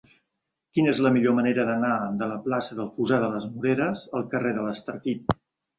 Quina és la millor manera d'anar de la plaça del Fossar de les Moreres al carrer de l'Estartit?